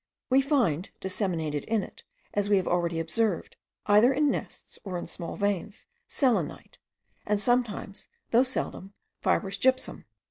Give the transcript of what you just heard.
We find disseminated in it, as we have already observed, either in nests or in small veins, selenite, and sometimes, though seldom, fibrous gypsum.